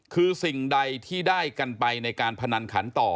คือสิ่งใดที่ได้กันไปในการพนันขันต่อ